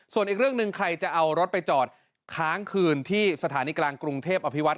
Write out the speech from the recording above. ส่วนอีกเรื่องหนึ่งใครจะเอารถไปจอดค้างคืนที่สถานีกลางกรุงเทพอภิวัต